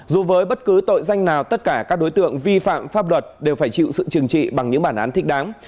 dù với bất cứ tội danh nào tất cả các đối tượng vi phạm pháp luật đều phải chịu sự trừng trị bằng những bản án thích đáng